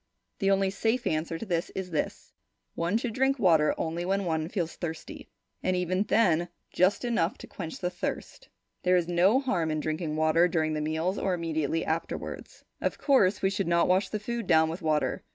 The only safe answer to this is this: one should drink water only when one feels thirsty, and even then only just enough to quench the thirst. There is no harm in drinking water during the meals or immediately afterwards. Of course, we should not wash the food down with water.